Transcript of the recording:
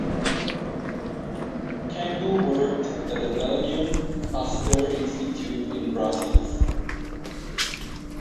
Gengou worked at the Belgium Pasteur Institute in Brussels.